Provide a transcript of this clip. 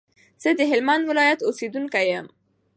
زه دهلمند ولایت اوسیدونکی یم.